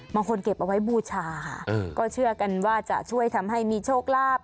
เก็บเอาไว้บูชาค่ะก็เชื่อกันว่าจะช่วยทำให้มีโชคลาภ